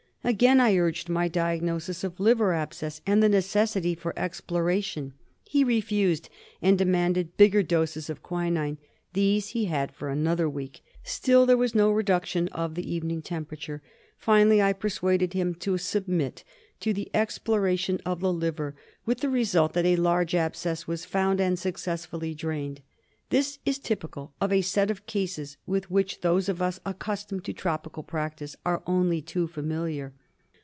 Again I urged my diagnosis of liver abscess and the necessity for exploration. He refused and demanded bigger doses of quinine. These he had for another week. Still there was no reduction of the evening temperature. Finally, I persuaded him to sub mit to the exploration of the liver, with the result that a large abscess was found and successfully drained. This is typical of a set of cases with which those of us accustomed to tropical practice are only too familiar.